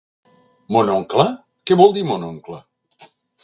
¿Mon oncle, què vol dir mon oncle?